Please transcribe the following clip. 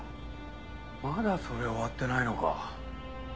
まだそれ終わってないのか。